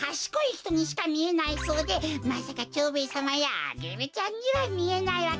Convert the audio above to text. ひとにしかみえないそうでまさか蝶兵衛さまやアゲルちゃんにはみえないわけないってか。